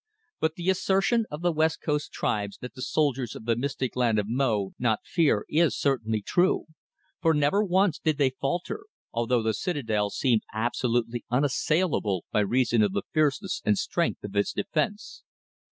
But the assertion of the West Coast tribes that the soldiers of the mystic land of Mo know not fear is certainly true, for never once did they falter, although the citadel seemed absolutely unassailable by reason of the fierceness and strength of its defence.